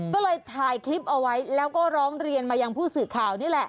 ก็เลยถ่ายคลิปเอาไว้แล้วก็ร้องเรียนมายังผู้สื่อข่าวนี่แหละ